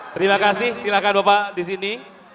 terima kasih silakan bapak disini